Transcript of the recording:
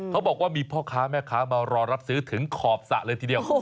เขาบอกว่ามีพ่อค้าแม่ค้ามารอรับซื้อถึงขอบสระเลยทีเดียว